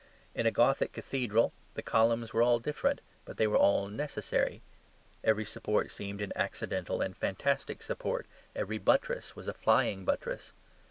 In a Gothic cathedral the columns were all different, but they were all necessary. Every support seemed an accidental and fantastic support; every buttress was a flying buttress.